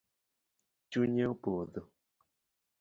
Chunye opodho